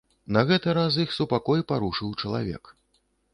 На гэты раз іх супакой парушыў чалавек.